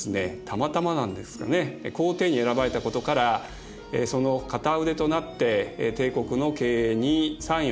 たまたまなんですよね皇帝に選ばれたことからその片腕となって帝国の経営に参与したということです。